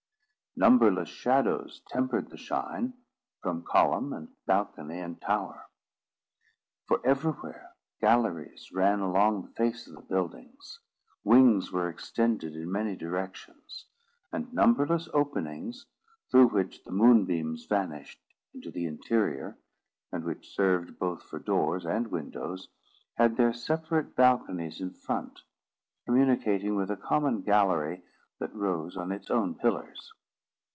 Numberless shadows tempered the shine, from column and balcony and tower. For everywhere galleries ran along the face of the buildings; wings were extended in many directions; and numberless openings, through which the moonbeams vanished into the interior, and which served both for doors and windows, had their separate balconies in front, communicating with a common gallery that rose on its own pillars.